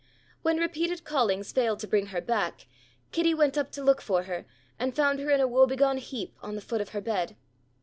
When repeated callings failed to bring her back, Kitty went up to look for her and found her in a woebegone heap on the foot of her bed.